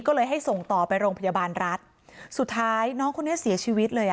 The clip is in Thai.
ก็เลยให้ส่งต่อไปโรงพยาบาลรัฐสุดท้ายน้องคนนี้เสียชีวิตเลยอ่ะ